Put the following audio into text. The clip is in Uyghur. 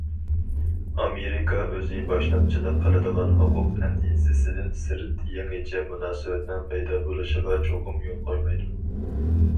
ئامېرىكا ئۆزى باشلامچىلىق قىلىدىغان ھوقۇق ئەندىزىسىدىن سىرت يېڭىچە مۇناسىۋەتنىڭ پەيدا بولۇشىغا چوقۇم يول قويمايدۇ.